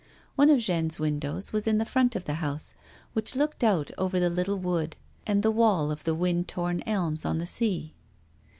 One of Jeanne's windows was in the front of the house, which looked out over the little wood and the wall of wind torn elms, on to the sea.